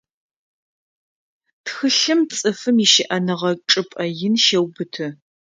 Тхылъым цӏыфым ищыӏэныгъэ чӏыпӏэ ин щеубыты.